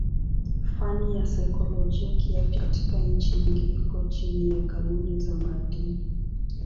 Fani ya saikolojia kiafya katika nchi nyingi iko chini ya kanuni za maadili.